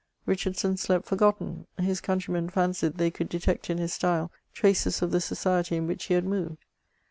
Bichardson slept forgotten; his country men fancied they could detect in his style traces of the society in wluch he had moved.